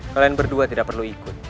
kalian berdua tidak perlu ikut